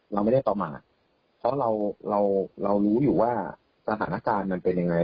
เราไม่ได้ประมาทเพราะเราเรารู้อยู่ว่าสถานการณ์มันเป็นยังไง